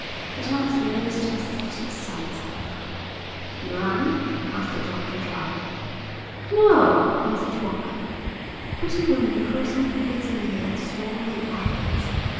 'It's one of the most æsthetic sights I know.' 'Your arm?' asked the doctor, drily. 'No,' answered Walker. 'A pretty woman crossing Piccadilly at Swan & Edgar's.